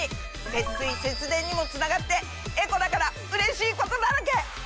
節水節電にもつながってエコだからうれしいことだらけ！